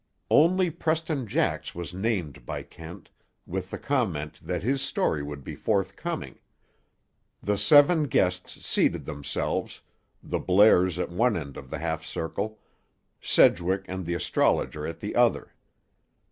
Only Preston Jax was named by Kent, with the comment that his story would be forthcoming. The seven guests seated themselves, the Blairs at one end of the half circle, Sedgwick and the astrologer at the other.